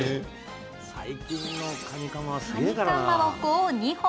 かまぼこを２本。